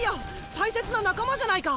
大切な仲間じゃないか。